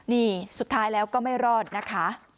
นี่สุดท้ายแล้วก็ไม่รอดนะคะ